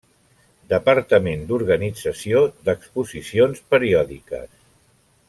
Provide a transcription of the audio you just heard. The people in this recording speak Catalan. Departament d'organització d'exposicions periòdiques.